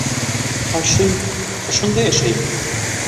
Хашим... ошонда йәшәйме?